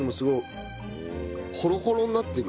ホロホロになってるよ。